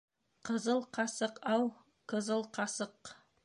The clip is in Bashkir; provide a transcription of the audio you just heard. Ҡызыл ҡасыҡ, ау, кызыл ҡасыҡ